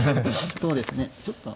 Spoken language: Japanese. そうですねちょっと。